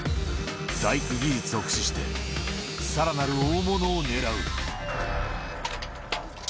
大工技術を駆使して、さらなる大物を狙う。